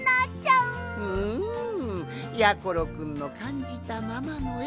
うんやころくんのかんじたままのえ